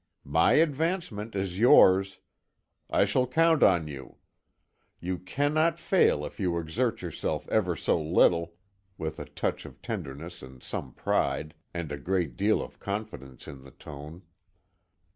My advancement is yours. I shall count on you. You cannot fail if you exert yourself ever so little," with a touch of tenderness and some pride, and a great deal of confidence in the tone.